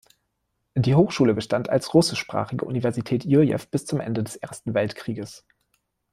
Die Hochschule bestand als russischsprachige "Universität Jurjew" bis zum Ende des Ersten Weltkriegs.